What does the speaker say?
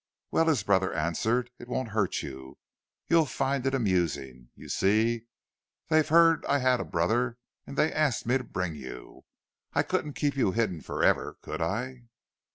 "Well," his brother answered, "it won't hurt you; you'll find it amusing. You see, they'd heard I had a brother; and they asked me to bring you. I couldn't keep you hidden for ever, could I?"